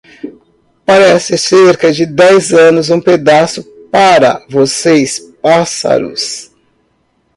Parece cerca de dez anos um pedaço para vocês pássaros.